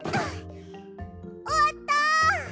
おわった！